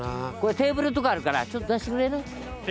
テーブルとかあるからちょっと出してくれない？